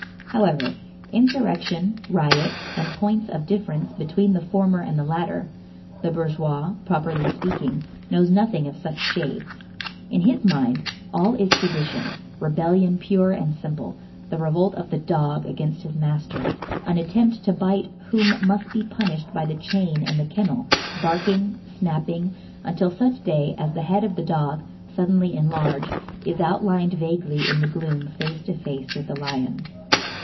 However, insurrection, riot, and points of difference between the former and the latter,—the bourgeois, properly speaking, knows nothing of such shades. In his mind, all is sedition, rebellion pure and simple, the revolt of the dog against his master, an attempt to bite whom must be punished by the chain and the kennel, barking, snapping, until such day as the head of the dog, suddenly enlarged, is outlined vaguely in the gloom face to face with the lion.